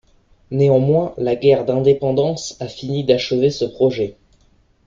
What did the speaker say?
Néanmoins, la guerre d'indépendance a fini d'achever ce projet.